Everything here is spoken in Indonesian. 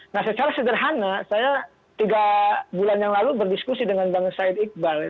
nah secara sederhana saya tiga bulan yang lalu berdiskusi dengan bang said iqbal